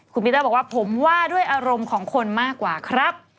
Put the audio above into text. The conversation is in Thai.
คุณมิเตอร์บอกว่าผมว่าด้วยอารมณ์ของคนมากกว่าครับ